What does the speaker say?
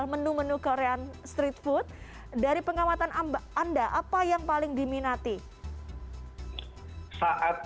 menu menu korean street food dari pengamatan anda apa yang paling diminati saat